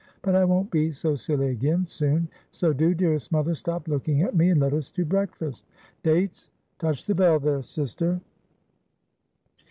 But I won't be so silly again, soon; so do, dearest mother, stop looking at me, and let us to breakfast. Dates! Touch the bell there, sister.'